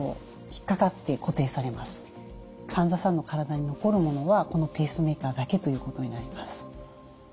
患者さんの体に残るものはこのペースメーカーだけということになります。